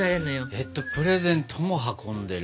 えっとプレゼントも運んでる？